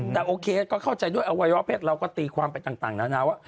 แต่โอเคก็เข้าใจด้วยอวัยวะเพศเราก็ตีความไปต่างนานาว่า